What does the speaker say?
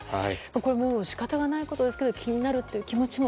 これはもう仕方がないことですが気になるという気持ちも